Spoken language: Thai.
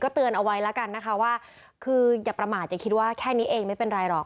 เตือนเอาไว้แล้วกันนะคะว่าคืออย่าประมาทอย่าคิดว่าแค่นี้เองไม่เป็นไรหรอก